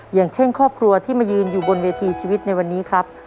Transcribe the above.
อย่างเช่นครอบครัวที่มายืนอยู่บนเวทีชีวิตในวันนี้ครับ